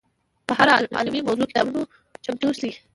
په هره علمي موضوع کتابونه چمتو شي.